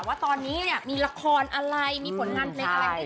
ว่าตอนนี้มีละครอะไรมีผลงานอะไร